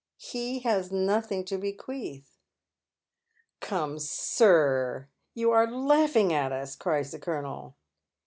Ha had nothing to bequeath I "" Come, sir, you are laughing at us," cries the colonel.